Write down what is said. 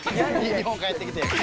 日本帰ってきて。